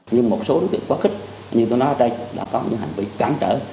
nhưng một số đối tượng quá khích như tôi nói ở đây là có những hành vi cám trở